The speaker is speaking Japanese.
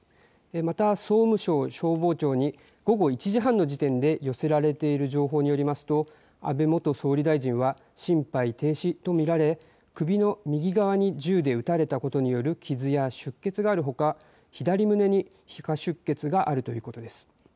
また総務省消防庁に午後１時半の時点で寄せられている情報によりますと安倍元総理大臣は心肺停止と見られ首の右側に銃で撃たれたことによる傷や出血があるほか左胸に皮下出血があるということです。